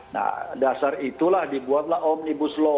nah dasar itulah dibuatlah omnibus law